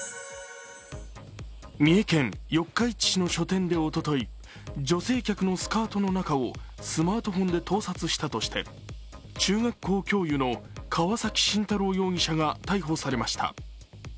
三重県四日市市の書店で、女性客のスカートの中をスマートフォンで盗撮したとして中学校教諭の川崎信太郎容疑者が逮捕されました。